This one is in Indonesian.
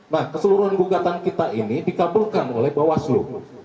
nah keseluruhan gugatan kita ini dikabulkan oleh bawaslu